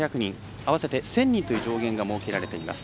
合わせて１０００人という上限が設けられています。